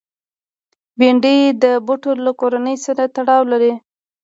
بېنډۍ د بوټو له کورنۍ سره تړاو لري